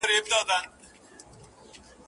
جرسونه به شرنګیږي د وطن پر لویو لارو